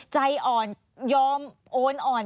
ใจอ่อนยอมโอนอ่อน